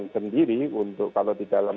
sendiri untuk kalau di dalam